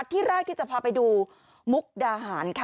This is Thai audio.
ที่แรกที่จะพาไปดูมุกดาหารค่ะ